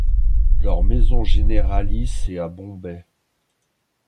Leur maison généralice est à Bombay.